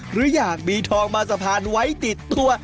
หรืออยากมีทองมาสะพานไว้ติดตัว